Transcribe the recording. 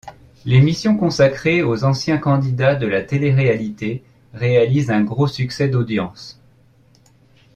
L'émission consacrée aux anciens candidats de la télé-réalité réalise un gros succès d'audience.